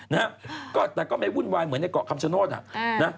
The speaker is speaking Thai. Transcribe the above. นะฮะก็แต่ก็ไม่วุ่นวายเหมือนในเกาะคำชโนธอ่ะนะ